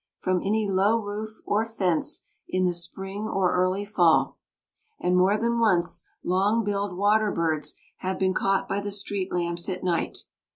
from any low roof or fence in the spring or early fall; and more than once long billed water birds have been caught by the street lamps at night.